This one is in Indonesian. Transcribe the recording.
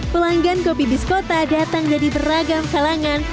pelanggan kopi biskota datang dari beragam kalangan